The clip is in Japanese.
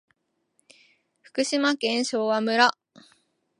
福島県昭和村